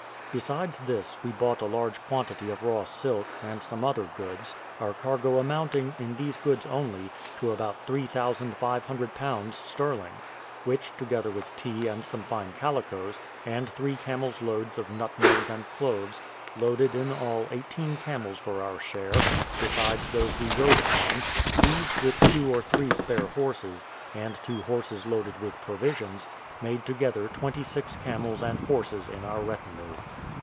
Besides this, we bought a large quantity of raw silk, and some other goods, our cargo amounting, in these goods only, to about three thousand five hundred pounds sterling; which, together with tea and some fine calicoes, and three camels' loads of nutmegs and cloves, loaded in all eighteen camels for our share, besides those we rode upon; these, with two or three spare horses, and two horses loaded with provisions, made together twenty six camels and horses in our retinue.